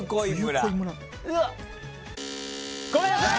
ごめんなさい！